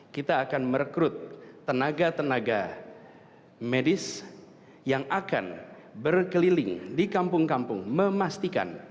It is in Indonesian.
kita akan merekrut tenaga tenaga medis yang akan berkeliling di kampung kampung memastikan